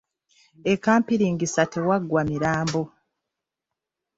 E Kampiringisa tewaggwa mirambo.